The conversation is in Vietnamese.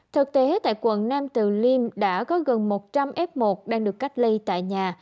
thực tế tại quận nam từ liêm đã có gần một trăm linh f một đang được cách ly tại nhà